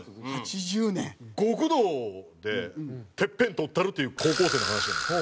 極道でてっぺん取ったるっていう高校生の話なんです。